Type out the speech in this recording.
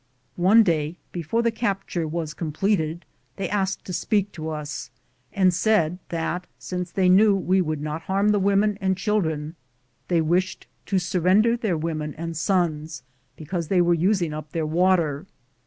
One day, before the capture was com pleted, they asked to speak to us, and said that, since they knew we would not harm the women and children, they wished to surrender their women and sons, because they were using up their water.